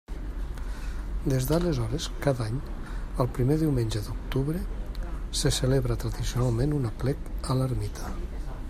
Des d'aleshores, cada any, el primer diumenge d'octubre, se celebra tradicionalment un aplec a l'Ermita.